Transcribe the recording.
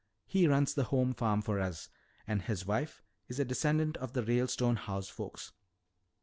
He runs the home farm for us. And his wife is a descendant of the Ralestone house folks."